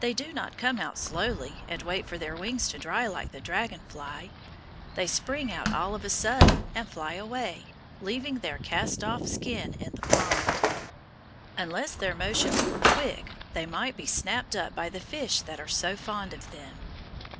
They do not come out slowly and wait for their wings to dry like the dragon fly. They spring out all of a sudden and fly away, leaving their cast off skin in the pond. Unless their motions were quick they might be snapped up by the fish that are so fond of them.